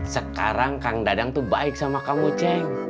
sekarang kang dadang itu baik sama kamu ceng